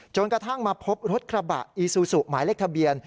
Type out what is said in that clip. กระทั่งมาพบรถกระบะอีซูซูหมายเลขทะเบียน